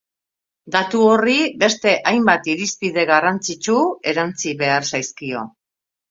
Datu horri, beste hainbat irizpide garrantzitsu erantsi behar zaizkio.